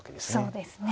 そうですね。